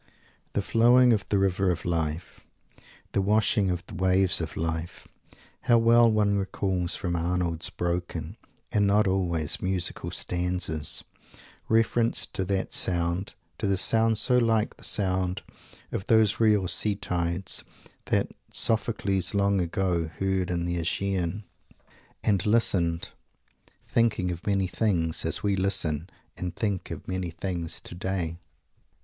The flowing of the river of life the washing of the waves of life how well one recalls, from Arnold's broken and not always musical stanzas, references to that sound to the sound so like the sound of those real sea tides that "Sophocles, long ago, heard in the Aegaean," and listened, thinking of many things, as we listen and think of many things today!